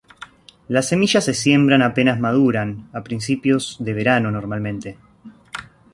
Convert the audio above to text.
Las semillas se siembran apenas maduran, a principios de verano normalmente.